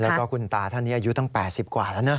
แล้วก็คุณตาท่านนี้อายุตั้ง๘๐กว่าแล้วนะ